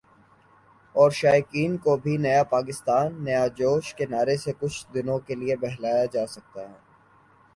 اور شائقین کو بھی "نیا کپتان ، نیا جوش" کے نعرے سے کچھ دنوں کے لیے بہلایا جاسکتا ہے